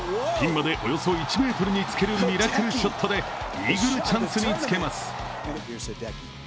ピンまでおよそ１ｍにつけるミラクルショットでイーグルチャンスにつけます。